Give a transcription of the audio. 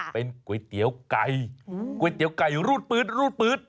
เป็นก๋วยเตี๋ยวไก่ก๋วยเตี๋ยวไก่รูดปื๊ดรูดปื๊ด